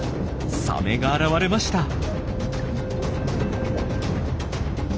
サメが現れました。